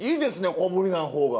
小ぶりな方が。